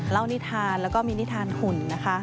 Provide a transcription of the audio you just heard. นิทานแล้วก็มีนิทานหุ่นนะคะ